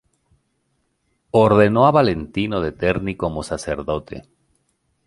Ordenó a Valentino de Terni como sacerdote.